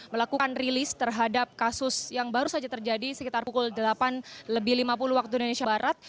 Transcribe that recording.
melakukan rilis terhadap kasus yang baru saja terjadi sekitar pukul delapan lebih lima puluh waktu indonesia barat